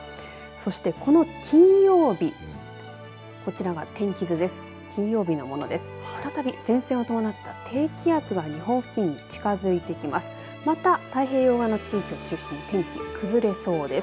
そしてこの金曜日こちらは天気図です。